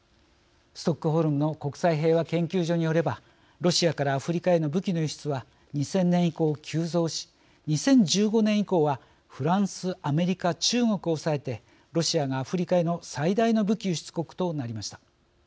ストックホルムの国際平和研究所によればロシアからアフリカへの武器の輸出は２０００年以降、急増し２０１５年以降はフランス、アメリカ中国を押さえてロシアがアフリカへの最大の武器輸出国となりました。